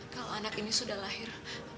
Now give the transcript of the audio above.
kalau anak ini sudah lahir